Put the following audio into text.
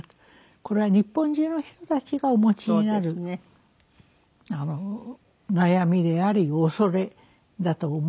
これは日本中の人たちがお持ちになるあの悩みであり恐れだと思いましたけれど。